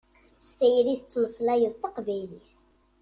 S tayri i tettmeslayeḍ taqbaylit.